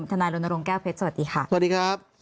ทนาโรนโลงแก้วเพชรสวัสดีค่ะ